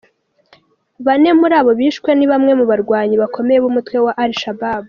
Bane muri abo bishwe ni bamwe mu barwanyi bakomeye b’umutwe wa Al Shabaab.